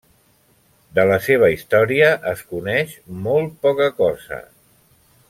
De la seva història es coneix molt poca cosa.